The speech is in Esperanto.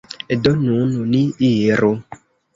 Do, nun ni iru